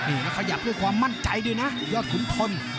อีก็ขยับด้วยความมั่นใจดีนะยอดขุนทน